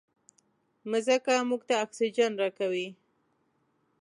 مځکه موږ ته اکسیجن راکوي.